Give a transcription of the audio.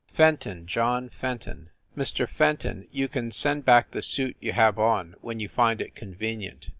" "Fenton. John Fenton." "Mr. Fenton, you can send back the suit you have on when you find it convenient.